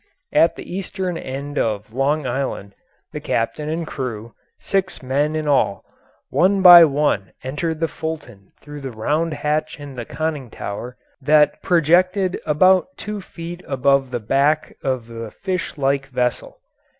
At the eastern end of Long Island the captain and crew, six men in all, one by one entered the Fulton through the round hatch in the conning tower that projected about two feet above the back of the fish like vessel.